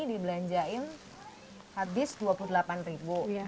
dibelanjain habis dua puluh delapan ribu